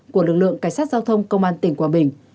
của lực lượng cảnh sát giao thông công an tỉnh quảng bình